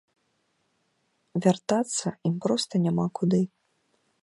Вяртацца ім проста няма куды.